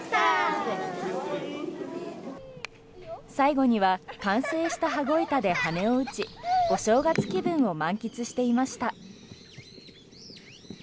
最後には完成した羽子板で羽を打ちお正月気分を満喫していました。